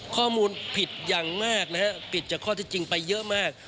ข้อมูลผิดอย่างมากนะฮะผิดจากข้อที่จริงไปเยอะมาก